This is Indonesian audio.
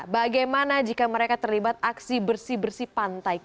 bagaimana jika mereka terlibat aksi bersih bersih pantai